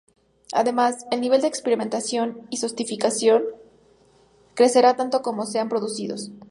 Además, el nivel de experimentación y sofisticación crecerá tanto como sean producidos.